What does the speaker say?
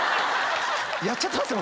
やっちゃってますね